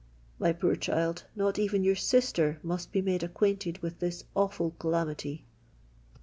My poor child, not even your sister must be made acquainted with this awful calamity."